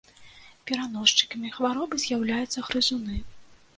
Пераносчыкамі хваробы з'яўляюцца грызуны.